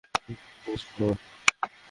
কোনোকিছু খোলার অস্ত্র?